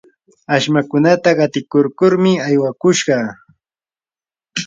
ashmankunata qatikurkurmi aywakushqa.